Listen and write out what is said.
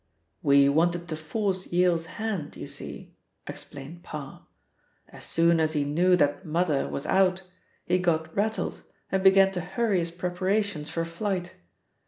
"We wanted to force Yale's hand, you see," explained Parr. "As soon as he knew that Mother was out he got rattled and began to hurry his preparations for flight.